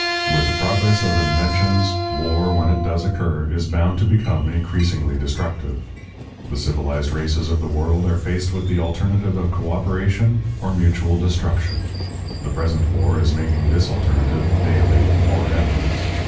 With the progress of inventions, war, when it does occur, is bound to become increasingly destructive. The civilized races of the world are faced with the alternative of coöperation or mutual destruction. The present war is making this alternative daily more evident.